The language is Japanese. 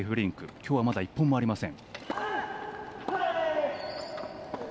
きょうはまだ１本もありません。